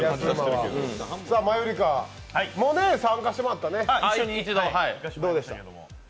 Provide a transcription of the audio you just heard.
マユリカも参加してもらったね、どうでした？